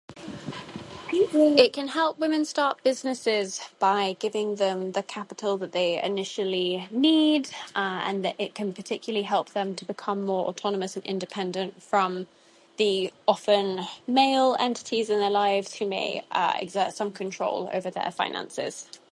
It can help women start businesses by giving them the capital that they initially need, uh and that it can particularly help them to become more autonomous and independent from the often male entities in their lives who may uh exert some control over their finances.